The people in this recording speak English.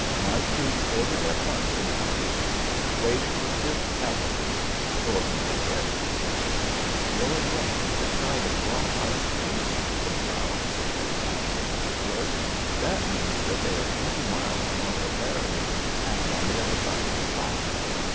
My troop ordered at once in pursuit. Wait for Fifth Cavalry. "GORDON MCCREA." "Going west, this side of Rawhide Butte," said Ralph, as calmly as he could. "That means that they are twenty miles north of Laramie, and on the other side of the Platte."